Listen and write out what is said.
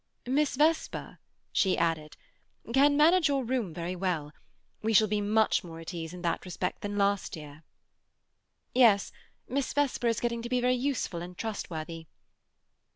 "Miss Vesper," she added, "can manage your room very well. We shall be much more at ease in that respect than last year." "Yes. Miss Vesper is getting to be very useful and trustworthy."